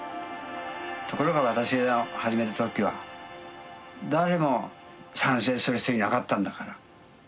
ところが私が始めた時は誰も賛成する人いなかったんだから。